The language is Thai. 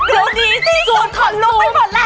ดูดีสิสุดขนรู้ไปหมดแล้ว